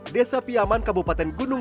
desa piaman kabupaten gunung